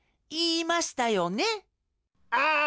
ああ！